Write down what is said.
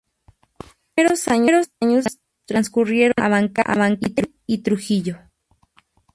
Sus primeros años transcurrieron en Abancay y Trujillo.